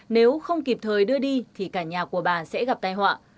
nếu không kịp thời đưa đi thì cả nhà của bà sẽ gặp tai họa